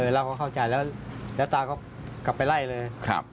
เราก็เข้าใจแล้วตาก็กลับไปไล่เลย